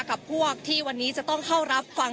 กับพวกที่วันนี้จะต้องเข้ารับฟัง